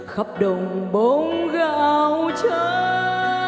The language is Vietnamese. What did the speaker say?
khắp đồng bông gạo trắng